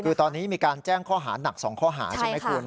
คือตอนนี้มีการแจ้งข้อหาหนัก๒ข้อหาใช่ไหมคุณ